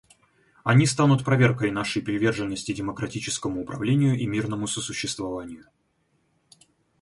Они станут проверкой нашей приверженности демократическому управлению и мирному сосуществованию.